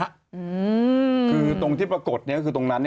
คือตรงที่ปรากฏเนี่ยคือตรงนั้นเนี่ย